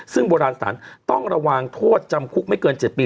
ซึ่งโบราณสถานต้องระวังโทษจำคุกไม่เกิน๗ปี